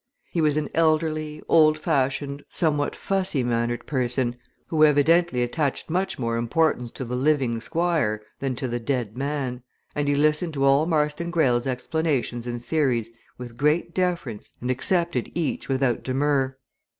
He was an elderly, old fashioned somewhat fussy mannered person, who evidently attached much more importance to the living Squire than to the dead man, and he listened to all Marston Greyle's explanations and theories with great deference and accepted each without demur.